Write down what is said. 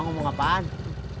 ya gue cuman mau pulang deh